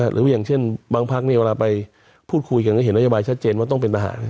หรืออย่างเช่นบางพักเวลาไปพูดคุยกันก็เห็นนโยบายชัดเจนว่าต้องเป็นทหาร